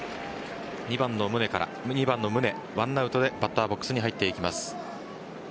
２番の宗１アウトでバッターボックスに入っていきます。